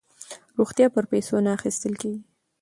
روغتیا په پیسو نه اخیستل کیږي.